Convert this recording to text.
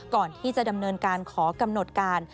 ก่อนที่จะดำเนินการขอกำหนดการ